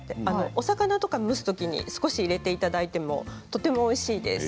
お魚とかを蒸すときに少し入れていただいてもとてもおいしいです。